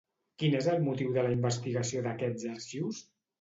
Quin és el motiu de la investigació d'aquests arxius?